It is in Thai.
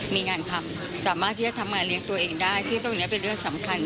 มีงานพักสามารถที่จะทำงานเลี้ยงตัวเองได้ซึ่งตรงนี้เป็นเรื่องสำคัญ